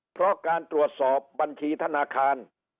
เพราะการตรวจสอบบัญชีธนาคาร